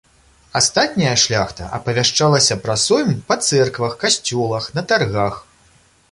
Астатняя шляхта апавяшчалася пра сойм па цэрквах, касцёлах, на таргах.